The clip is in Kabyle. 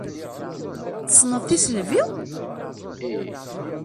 Tessneḍ tisselbi-w!